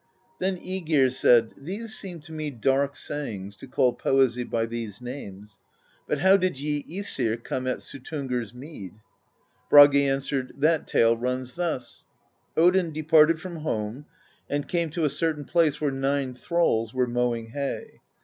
Then ^gir said: "These seem to me dark sayings, to call poesy by these names. But how did ye iEsir come at Suttungr's Mead?" Bragi answered: "That tale runs thus: Odin departed from home and came to a certain place where nine thralls were mowing hay.